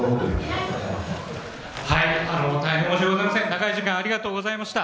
長い時間ありがとうございました。